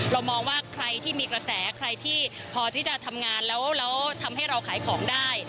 เรามองว่าใครที่มีกระแสใครที่พอที่จะทำงานแล้วทำให้เราขายของได้